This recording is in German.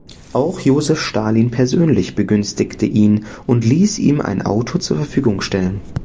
Auch Josef Stalin persönlich begünstigte ihn und ließ ihm ein Auto zur Verfügung stellen.